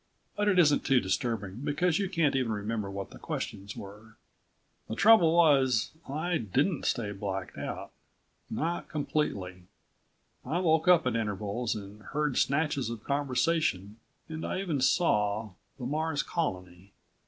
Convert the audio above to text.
But it isn't too disturbing, because you can't even remember what the questions were. The trouble was ... I didn't stay blacked out. Not completely. I woke up at intervals and heard snatches of conversation and I even saw the Mars Colony.